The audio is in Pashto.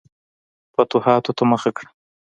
فتوحاتو ته مخه کړه.